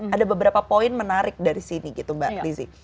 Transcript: ada beberapa poin menarik dari sini gitu mbak lizzie